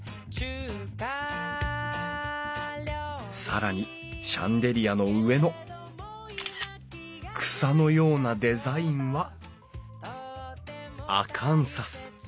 更にシャンデリアの上の草のようなデザインはアカンサス。